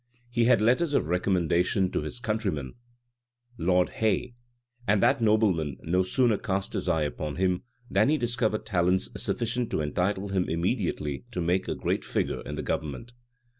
He had letters of recommendation to his countryman Lord Hay; and that nobleman no sooner cast his eye upon him, than he discovered talents sufficient to entitle him immediately to make a great figure in the government.